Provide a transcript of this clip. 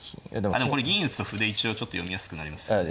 これ銀打つと歩で一応ちょっと読みやすくなりますよね。